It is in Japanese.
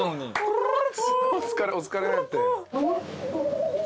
お疲れお疲れって。